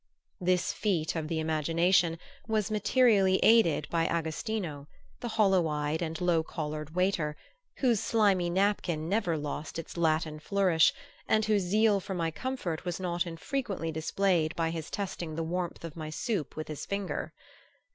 This feat of the imagination was materially aided by Agostino, the hollow eyed and low collared waiter, whose slimy napkin never lost its Latin flourish and whose zeal for my comfort was not infrequently displayed by his testing the warmth of my soup with his finger.